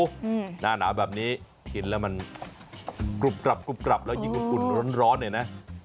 หน้าน้ำหนาแบบนี้กินแล้วมันกรุบกรับแล้วยิ่งกลุ่นร้อนเนี่ยนะ